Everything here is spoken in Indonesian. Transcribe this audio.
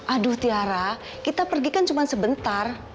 aduh tiara kita pergi kan cuma sebentar